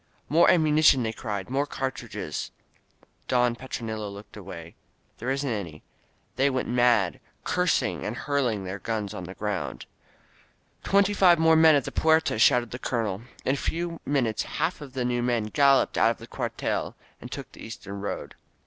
"More am munition !" they cried. *'More cartridges !" Don Petronilo looked away. "There isn't any!'* The men went mad, cursing and hurling their guns on the ground. 83 INSURGENT MEXICO Twenty five more men at the Puerta/* shouted the Colonel. In a few minutes half of the new men gal loped out of their cuartel and took the eastern road.